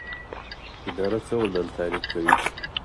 اداره څه ډول تعریف کوئ؟